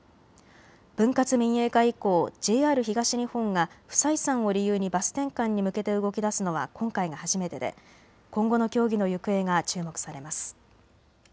分割民営化以降、ＪＲ東日本が不採算を理由にバス転換に向けて動きだすのは今回が初めてで今後の協議の行方が注目されます。